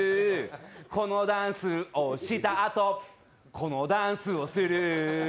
このダンスをしたあとこのダンスをする。